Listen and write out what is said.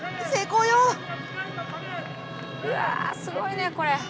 うわすごいねこれ。